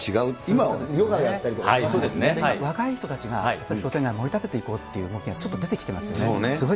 今はヨガだ若い人たちが商店街をもり立てていこうという動きがちょっと出てきてますよね。